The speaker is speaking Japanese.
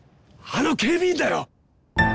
あの警備員だよ！